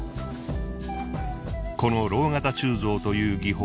この蝋型鋳造という技法。